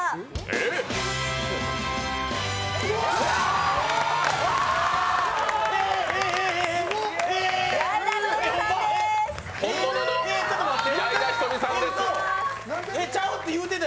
えー、ちょっと待って。